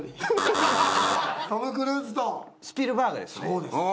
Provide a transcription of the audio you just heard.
そうです。